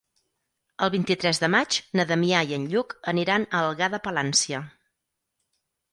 El vint-i-tres de maig na Damià i en Lluc aniran a Algar de Palància.